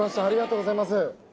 ありがとうございます